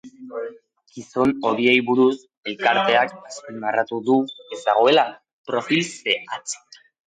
Gizon horiei buruz, elkarteak azpimarratu du ez dagoela profil zehatzik.